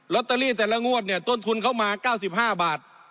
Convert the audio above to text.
ตเตอรี่แต่ละงวดเนี่ยต้นทุนเข้ามา๙๕บาท